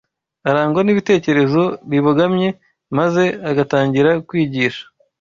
Arangwa n’ibitekerezo bibogamye, maze agatangira kwigisha